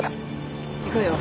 行くわよ。